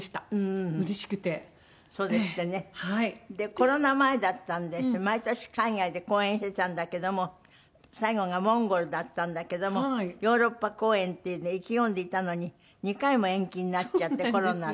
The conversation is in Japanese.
コロナ前だったので毎年海外で公演してたんだけども最後がモンゴルだったんだけどもヨーロッパ公演っていうので意気込んでいたのに２回も延期になっちゃってコロナで。